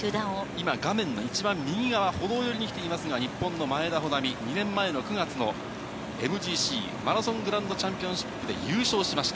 今、画面の一番右側、歩道寄りに来ていますのが、日本の前田穂南、２年前の９月のＭＧＣ・マラソングランドチャンピオンシップで優勝しました。